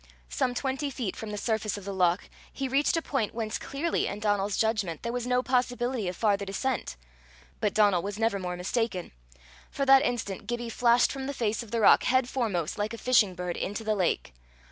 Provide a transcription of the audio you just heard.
Some twenty feet from the surface of the loch, he reached a point whence clearly, in Donal's judgment, there was no possibility of farther descent. But Donal was never more mistaken; for that instant Gibbie flashed from the face of the rock head foremost, like a fishing bird, into the lake.